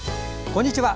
こんにちは。